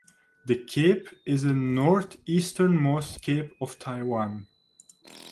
The cape is the northeasternmost cape of Taiwan.